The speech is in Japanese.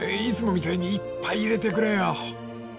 ［いつもみたいにいっぱい入れてくれよ］